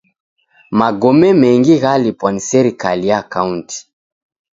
Magome mengi ghalipwa ni serikai ya kaunti.